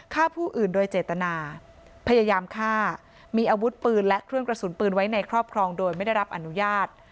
ฆ่าผู้อื่นโดยเจตนาพยายามฆ่ามีอาวุธปืนและเครื่องกระสุนปืนไว้ในครอบครองโดยไม่ได้รับอนุญาต